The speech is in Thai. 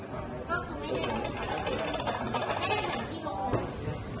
พี่จะขัดรุ่นยังไง